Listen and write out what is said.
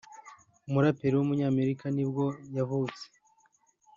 umuraperi w’umunyamerika ni bwo yavutse